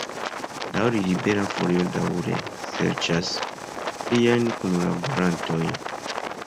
Laŭ li Libera Folio daŭre serĉas pliajn kunlaborantojn.